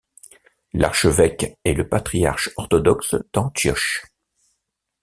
L'archevêque est le patriarche orthodoxe d'Antioche.